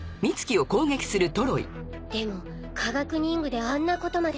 でも科学忍具であんなことまで。